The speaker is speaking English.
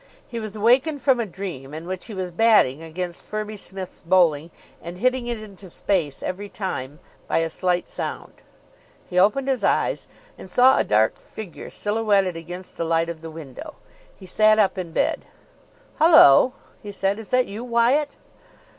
He was awakened from a dream in which he was batting against Firby Smith's bowling, and hitting it into space every time, by a slight sound. He opened his eyes, and saw a dark figure silhouetted against the light of the window. He sat up in bed. "Hullo," he said. "Is that you, Wyatt?"